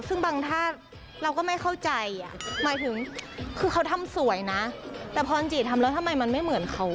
ซึ่งบางท่านเราก็ไม่เข้าใจอ่ะหมายถึงคือเขาทำสวยนะแต่พรจีทำแล้วทำไมมันไม่เหมือนเขา